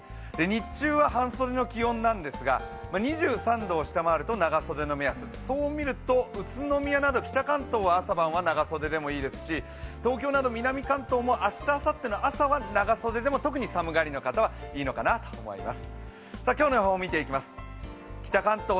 日中は半袖の気温なんですが２３度を下回ると長袖の目安そう見ると宇都宮など北関東は朝晩は長袖でもいいですし東京など南関東は明日、あさっての朝は長袖でも特に寒がりの方はいいのかなと思います。